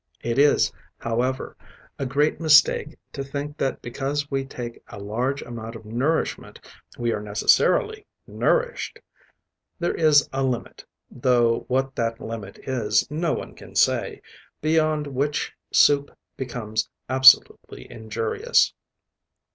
It is, however, a great mistake to think that because we take a large amount of nourishment we are necessarily nourished. There is a limit, though what that limit is no one can say, beyond which soup becomes absolutely injurious.